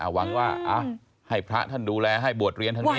หวังว่าให้พระท่านดูแลให้บวชเรียนทั้งนี้